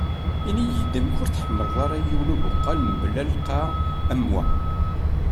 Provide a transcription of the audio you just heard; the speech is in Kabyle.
Ini-yi-d amek ur tḥemleḍ ara yiwen ubuqal mebla lqaɛ am wa.